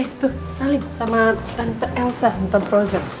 oke tuh salim sama tante elsa tante frozen